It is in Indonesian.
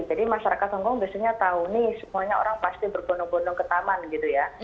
jadi masyarakat hongkong biasanya tahu nih semuanya orang pasti berbondong bondong ke taman gitu ya